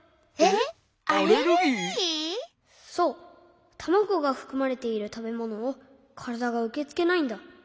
そうたまごがふくまれているたべものをからだがうけつけないんだ。